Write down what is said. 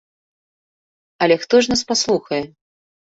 Але хто ж нас паслухае?